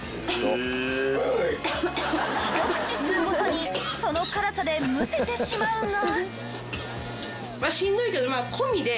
ひと口吸うごとにその辛さでムセてしまうが。